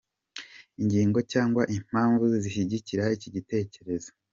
Ingingo cyangwa impamvu zishyigikira iki gitekerezo:.